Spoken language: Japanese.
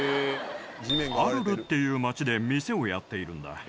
アルルっていう街で店をやっているんだ。